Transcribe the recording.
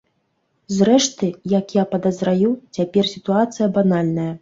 Зрэшты, як я падазраю, цяпер сітуацыя банальная.